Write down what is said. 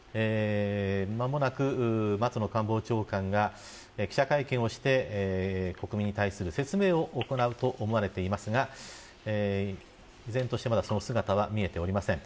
間もなく松野官房長官が記者会見をして国民に対する説明を行うと思われていますが依然として、まだその姿は見えておりません。